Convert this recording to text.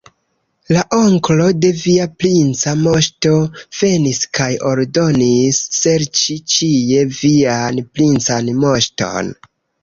La onklo de via princa moŝto venis kaj ordonis serĉi ĉie vian princan moŝton.